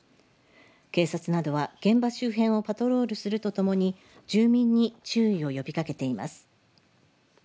警察などは現場周辺をパトロールするとともに住民に注意を呼びかけています。